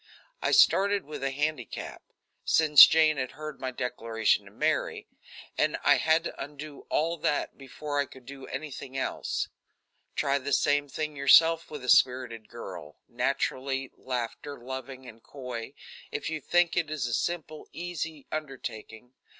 I started with a handicap, since Jane had heard my declaration to Mary, and I had to undo all that before I could do anything else. Try the same thing yourself with a spirited girl, naturally laughter loving and coy, if you think it a simple, easy undertaking.